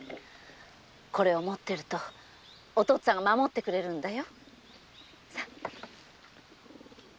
これを持っているとお父ちゃんが守ってくれるんだよ。